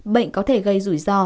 bệnh có thể gây rủi ro